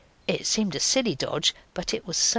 It seems a silly dodge, but so it was.